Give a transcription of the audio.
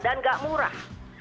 dan tidak murah